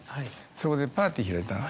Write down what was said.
そこでパーティー開いた。